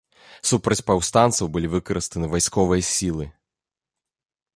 Супраць паўстанцаў былі выкарыстаны вайсковыя сілы.